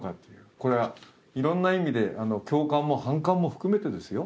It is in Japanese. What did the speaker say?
これはいろんな意味で共感も反感も含めてですよ